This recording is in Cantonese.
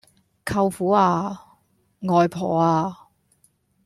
舅父呀！外婆呀！